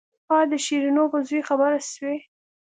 ها د شيرينو په زوى خبره سوې.